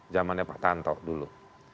zamannya pak tanto dulu